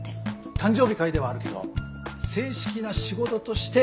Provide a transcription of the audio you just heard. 誕生日会ではあるけど正式な仕事としてお願いしたいんだ。